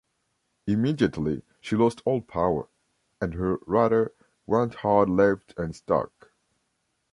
Immediately she lost all power, and her rudder went hard left and stuck.